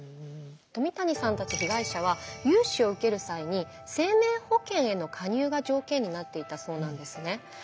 冨谷さんたち被害者は融資を受ける際に生命保険への加入が条件になっていたそうなんですね。